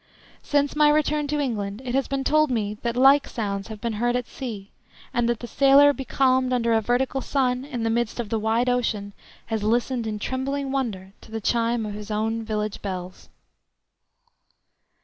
Since my return to England it has been told me that like sounds have been heard at sea, and that the sailor becalmed under a vertical sun in the midst of the wide ocean has listened in trembling wonder to the chime of his own village bells.